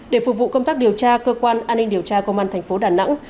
để phục vụ công tác điều tra cơ quan an ninh điều tra công an thành phố đà nẵng